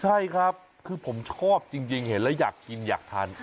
ใช่ครับคือผมชอบจริงเห็นแล้วอยากกินอยากทาน